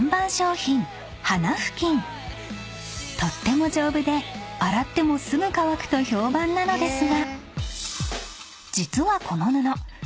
［とっても丈夫で洗ってもすぐ乾くと評判なのですが］